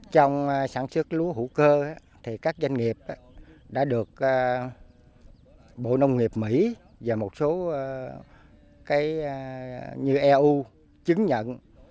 trong sản xuất lúa hữu cơ các doanh nghiệp đã được bộ nông nghiệp mỹ và một số như eu chứng nhận